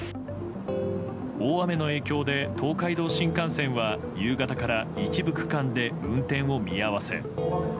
大雨の影響で東海道新幹線は夕方から一部区間で運転を見合わせ。